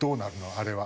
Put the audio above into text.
あれは。